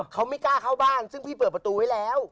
เขาไม่กล้าเข้าบ้านซึ่งพี่เปิดประตูไว้แล้ว